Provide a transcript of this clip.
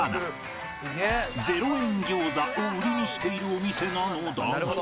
０円餃子を売りにしているお店なのだが。